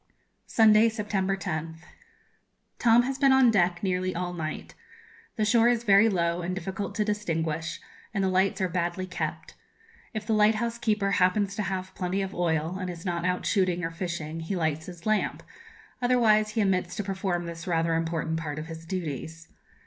Sunday, September 10th. Tom has been on deck nearly all night. The shore is very low and difficult to distinguish, and the lights are badly kept. If the lighthouse keeper happens to have plenty of oil, and is not out shooting or fishing, he lights his lamp; otherwise, he omits to perform this rather important part of his duties.